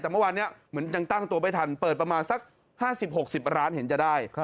แต่เมื่อวานนี้เหมือนยังตั้งตัวไม่ทันเปิดประมาณสัก๕๐๖๐ร้านเห็นจะได้